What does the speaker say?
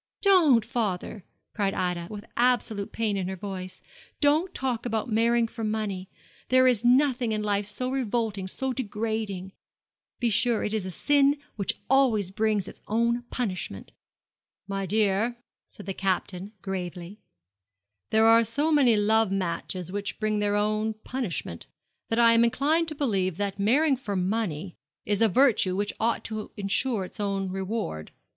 'Don't, father!' cried Ida, with absolute pain in her voice. 'Don't talk about marrying for money. There is nothing in life so revolting, so degrading. Be sure, it is a sin which always brings its own punishment.' 'My dear,' said the Captain, gravely, 'there are so many love matches which bring their own punishment, that I am inclined to believe that marrying for money is a virtue which ought to ensure its own reward.